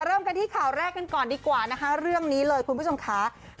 เริ่มกันที่ข่าวแรกกันก่อนดีกว่านะคะเรื่องนี้เลยคุณผู้ชมค่ะ